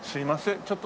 ちょっと。